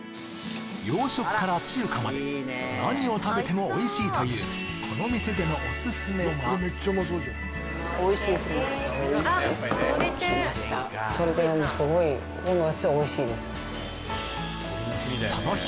洋食から中華まで何を食べてもおいしいというこの店でのおすすめは店主こだわりの大分名物。